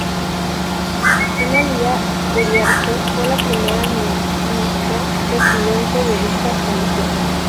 Ana Lya Uriarte fue la primera Ministra Presidente de dicha Comisión.